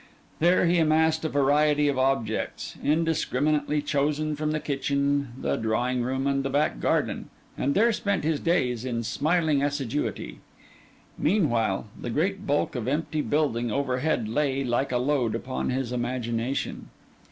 There he amassed a variety of objects, indiscriminately chosen from the kitchen, the drawing room, and the back garden; and there spent his days in smiling assiduity. Meantime, the great bulk of empty building overhead lay, like a load, upon his imagination.